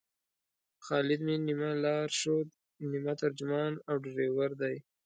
خالد مې نیمه لارښود، نیمه ترجمان او ډریور دی.